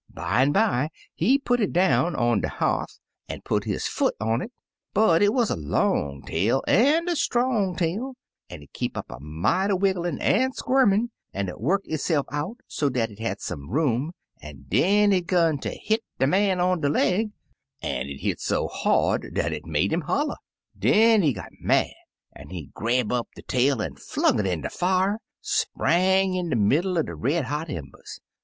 Bimeby, he put it down on de ha*th, an' put his foot on it, but it wuz a long tail an* a strong tail, an' it kep' up a mighty wigglin' an' squirmin*, an' it worked itse'f out so dat it had some room, an' den it 'gun ter hit de man on de legs, an' it hit so hard dat it made 'im holla. Den he got mad, an' he grab up de tail an' flung it in de fier, spang in de middle er de red hot embers.